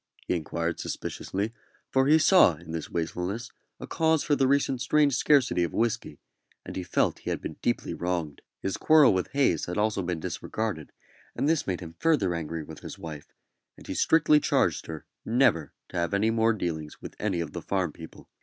he inquired, suspiciously; for he saw in this wastefulness a cause for the recent strange scarcity of whisky; and he felt he had been deeply wronged. His quarrel with Hayes had also been disregarded, and this made him further angry with his wife, and he strictly charged her never to have any more dealings with any of the farm people.